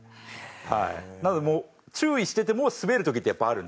なのでもう注意してても滑る時ってやっぱあるんで。